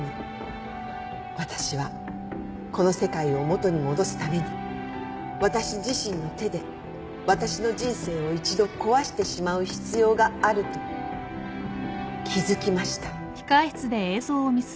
「私はこの世界を元に戻すために私自身の手で私の人生を一度壊してしまう必要があると気付きました」